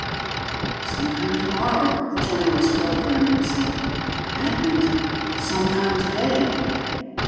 Sometime tomorrow, the general's telegram had said That meant sometime today!